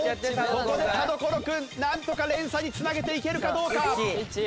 ここで田所君なんとか連鎖に繋げていけるかどうか。